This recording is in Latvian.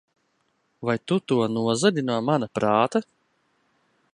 Vai tu to nozagi no mana prāta?